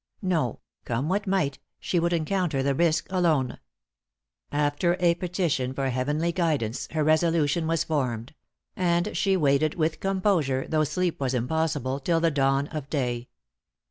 No; come what might, she would encounter the risk alone. After a petition for heavenly guidance, her resolution was formed; and she waited with composure, though sleep was impossible, till the dawn of day.